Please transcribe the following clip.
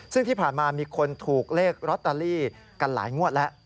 ซึ่งที่ผ่านมามีคนถูกเลขลอตเตอรี่กันหลายงวดแล้ว